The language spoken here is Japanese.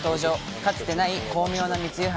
かつてない巧妙な密輸犯。